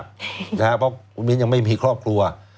เพราะคุณมิ้นยังไม่มีครอบครัว